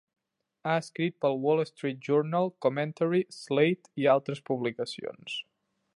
Ha escrit pel "Wall Street Journal", "Commentary", "Slate" i altres publicacions.